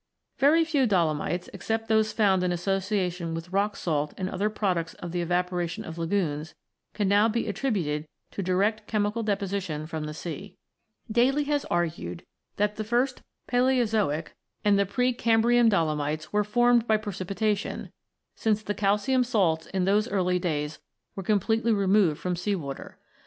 Very few dolomites, except those found in associa tion with rock salt and other products of the evapora tion of lagoons, can now be attributed to direct chemical deposition from the sea. Daly (7) has argued that the first Palaeozoic and c. 3 34 ROCKS AND THEIR ORIGINS [CH. the pre Cambrian dolomites were formed by precipita tion, since the calcium salts in those early days were completely removed from the sea water.